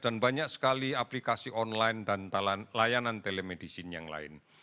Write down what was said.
dan banyak sekali aplikasi online dan layanan telemedicine yang lain